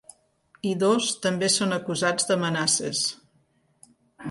I dos també són acusats d’amenaces.